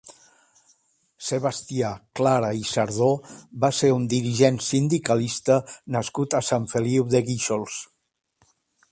Sebastià Clara i Sardó va ser un dirigent sindicalista nascut a Sant Feliu de Guíxols.